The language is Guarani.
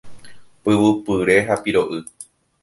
Pyvupyre ha piro'y.